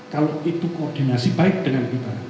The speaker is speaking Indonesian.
kalau itu koordinasi baik dengan kita